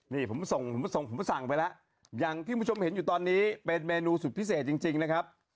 นี่ผมสั่งไปแล้วอย่างที่คุณผู้ชมเห็นตอนนี้เป็นเมนูสุดพิเศษจริงนะครับ